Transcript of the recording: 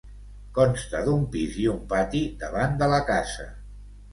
Consta d'un pis i un pati davant de la casa.